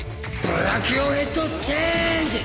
ブラキオヘッドチェンジ！